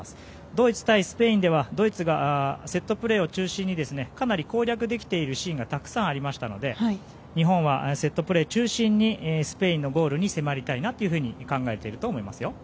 ドイツ対スペインではドイツがセットプレー中心にかなり攻略できているシーンがたくさんありましたので日本はセットプレー中心にスペインゴールに迫りたいなと考えていると思いますよ。